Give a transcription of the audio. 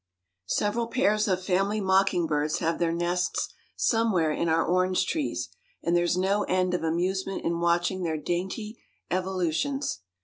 Several pairs of family mocking birds have their nests somewhere in our orange trees; and there is no end of amusement in watching their dainty evolutions.